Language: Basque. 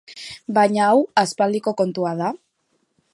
Baina hau aspaldiko kontua da.